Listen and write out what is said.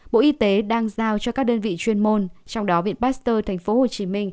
bộ y tế đang giao cho các đơn vị chuyên môn trong đó viện pasteur tp hcm